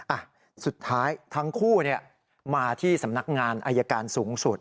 อ่ะสุดท้ายทั้งคู่เนี่ยมาที่สำนักงานอายการสูงสุด